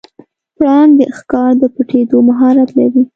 پړانګ د ښکار د پټیدو مهارت لري.